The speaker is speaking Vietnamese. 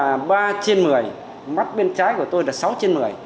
mắt bên trái của tôi là ba trên một mươi mắt bên trái của tôi là sáu trên một mươi